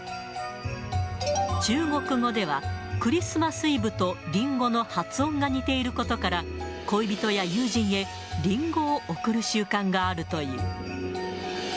中国語では、クリスマスイブとリンゴの発音が似ていることから、恋人や友人へリンゴを贈る習慣があるという。